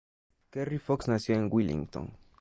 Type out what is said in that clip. Kerry Fox nació en Wellington.